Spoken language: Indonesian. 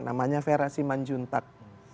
namanya vera simanjuntak